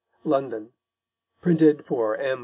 London: Printed for M.